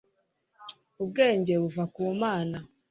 ubwenge buva ku mana